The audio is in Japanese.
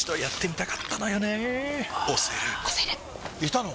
いたの？